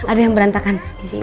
ada yang berantakan